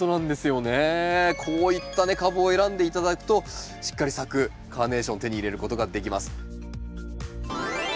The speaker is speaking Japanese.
こういった株を選んで頂くとしっかり咲くカーネーションを手に入れることができます。